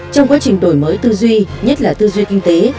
trong quá trình đổi mới tư duy nhất là tư duy kinh tế